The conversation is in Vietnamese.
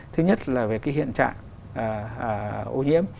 thứ nhất là về cái hiện trạng ô nhiễm